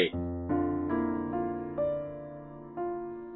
sáu măng cụt